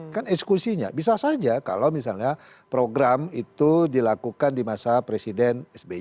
kan eksekusinya bisa saja kalau misalnya program itu dilakukan di masa presiden sby